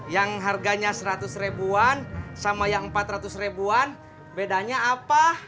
yang harganya seratus ribuan sama yang empat ratus ribuan bedanya apa